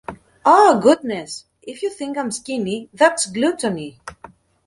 Ah! Goodness! If you think I’m skinny... that’s gluttony!